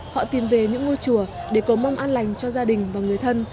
họ tìm về những ngôi chùa để cầu mong an lành cho gia đình và người thân